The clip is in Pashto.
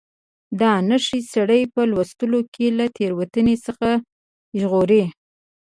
دا نښې سړی په لوستلو کې له تېروتنې څخه ژغوري.